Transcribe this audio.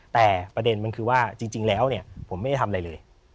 แต่ประเด็นมันคือว่าจริงแล้วเนี่ยผมไม่ได้ทำอะไรเลย